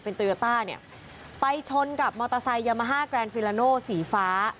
โตโยต้าเนี่ยไปชนกับมอเตอร์ไซค์ยามาฮ่าแกรนฟิลาโนสีฟ้า